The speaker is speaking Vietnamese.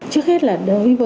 trước hết là đối với